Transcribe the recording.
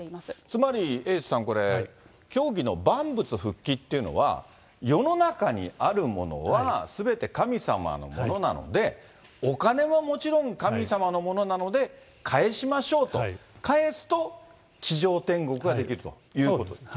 つまりエイトさん、これ、教義の万物復帰っていうのは、世の中にあるものはすべて神様のものなので、お金ももちろん神様のものなので返しましょうと、返すと地上天国ができるということですか。